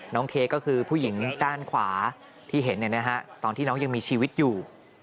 เค้กก็คือผู้หญิงด้านขวาที่เห็นตอนที่น้องยังมีชีวิตอยู่